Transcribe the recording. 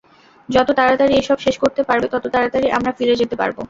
যত তাড়াতাড়ি এসব শেষ করতে পারবে, তত তাড়াতাড়ি আমরা ফিরে যেতে পারব।